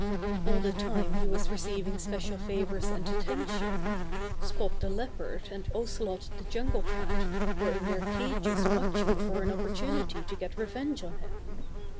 All the time he was receiving special favors and attention. Spot the Leopard and Ocelot the Jungle Cat were in their cages watching for an opportunity to get revenge on him.